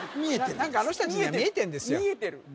何かあの人達には見えてんですよ